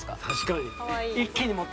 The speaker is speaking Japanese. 確かに。